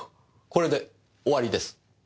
これで終わりです。